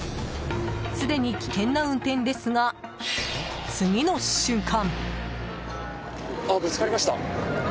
すでに危険な運転ですが次の瞬間。